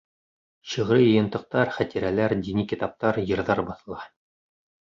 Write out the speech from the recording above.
Шиғри йыйынтыҡтар, хәтирәләр, дини китаптар, йырҙар баҫыла.